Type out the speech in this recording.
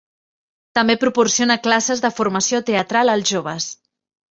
També proporciona classes de formació teatral als joves.